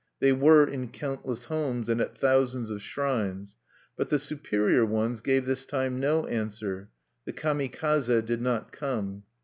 They were, in countless homes and at thousands of shrines. But the Superior Ones gave this time no answer; the Kami kaze did not come.